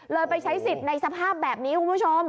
ไปใช้สิทธิ์ในสภาพแบบนี้คุณผู้ชม